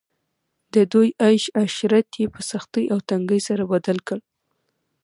د دوی عيش عشرت ئي په سختۍ او تنګۍ سره بدل کړ